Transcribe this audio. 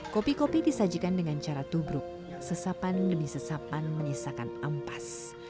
kopi kopi disajikan dengan cara tubruk sesapan demi sesapan menyisakan ampas